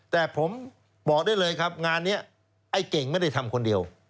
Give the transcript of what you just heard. แต่ผมบอกได้เลยครับงานนี้ไอ้เก่งไม่ได้ทำคนเดียว